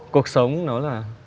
cuộc sống nó là